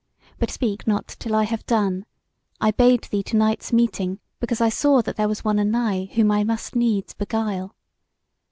but speak not till I have done: I bade thee to night's meeting because I saw that there was one anigh whom I must needs beguile.